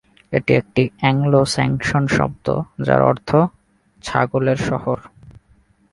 এটি একটি অ্যাংলো-স্যাক্সন শব্দ, যার অর্থ "ছাগলের শহর"।